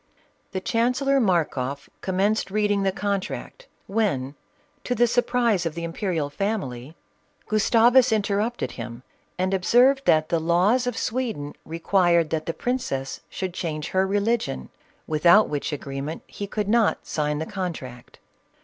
The chancellor Markoff commenced reading the contract, when, to the surprise of the imperial family, 438 CATHERINE OF RUSSIA. Gustavus interrupted him and observed that the laws of Sweden required that the princess should change her religion, without which agreement he could not sign the contract.